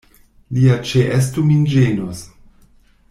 Lia ĉeesto min ĝenus.